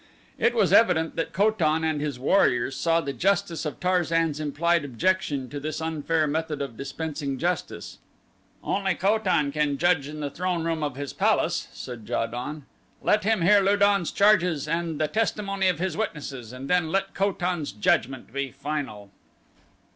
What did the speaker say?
It was evident that Ko tan and his warriors saw the justice of Tarzan's implied objection to this unfair method of dispensing justice. "Only Ko tan can judge in the throneroom of his palace," said Ja don, "let him hear Lu don's charges and the testimony of his witnesses, and then let Ko tan's judgment be final."